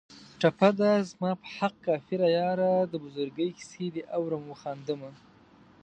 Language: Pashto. ټپه ده: زما په حق کافره یاره د بزرګۍ کیسې دې اورم و خاندمه